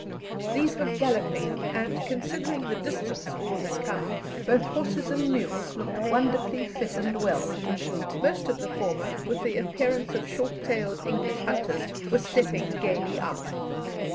These were galloping, and, considering the distance all had come, both horses and mules looked wonderfully fit and well. Most of the former, with the appearance of short tailed English hunters, were stepping gaily out.